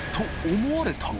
「思われたが」